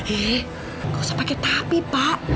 eh nggak usah pakai tapi pak